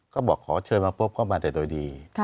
ก็บอกขอเชิญมาพบเข้ามาแต่โดยดี